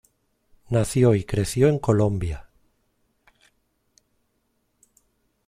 Nació y creció en Colombia.